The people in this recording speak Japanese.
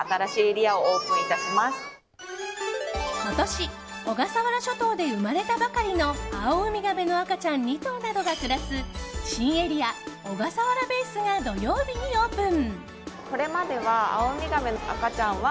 今年、小笠原諸島で生まれたばかりのアオウミガメの赤ちゃん２頭などが暮らす新エリアオガサワラベースが土曜日にオープン。